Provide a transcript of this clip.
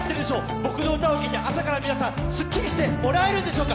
僕の歌を聴いて朝から皆さんスッキリしてもらえるんでしょうか？